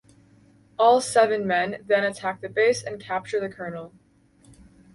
All seven men then attack the base and capture the colonel.